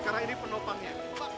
karena ini penopangnya